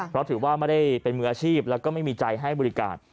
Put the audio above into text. เพราะถือว่าไม่ได้เป็นมืออาชีพแล้วก็ไม่มีใจให้บริการ